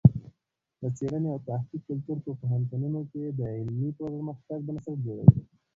د څېړنې او تحقیق کلتور په پوهنتونونو کې د علمي پرمختګ بنسټ جوړوي.